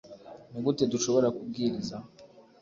Ni gute dushobora kubwiriza